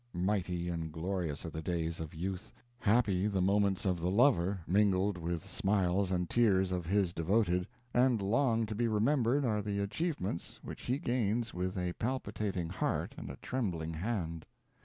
Mighty and glorious are the days of youth; happy the moments of the lover, mingled with smiles and tears of his devoted, and long to be remembered are the achievements which he gains with a palpitating heart and a trembling hand.